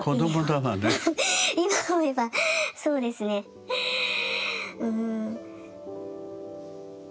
今思えばそうですねうん。